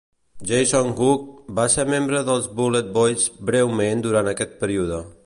Jason Hook va ser membre dels BulletBoys breument durant aquest període.